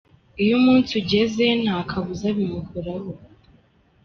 Iyo umunsi ugeze, nta kabuza bimukoraho.